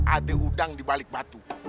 adek udang dibalik batu